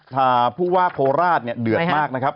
ถ้าผู้ว่าโคราชเนี่ยเดือดมากนะครับ